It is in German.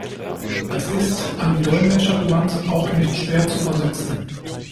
Das ist, an die Dolmetscher gewandt, auch nicht schwer zu übersetzen.